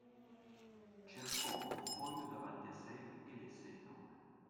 Cercò un foglio davanti a sé e lesse il nome.